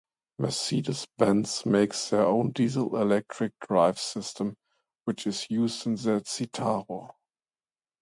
Mercedes-Benz makes their own diesel-electric drive system, which is used in their Citaro.